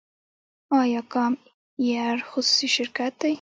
آیا کام ایر خصوصي شرکت دی؟